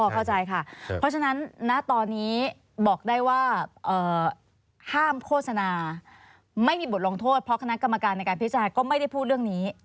เข้าใจค่ะเพราะฉะนั้นณตอนนี้บอกได้ว่าห้ามโฆษณาไม่มีบทลงโทษเพราะคณะกรรมการในการพิจารณาก็ไม่ได้พูดเรื่องนี้